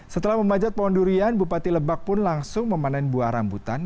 setelah memanjat pohon durian bupati lebak pun langsung memanen buah rambutan